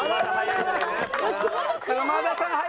はい。